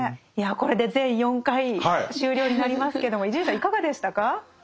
いやこれで全４回終了になりますけども伊集院さんいかがでしたか？